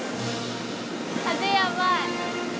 風やばい！